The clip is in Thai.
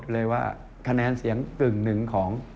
ไม่ใช่แค่๙ทุกทุกนะ